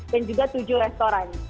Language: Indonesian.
dan juga tujuan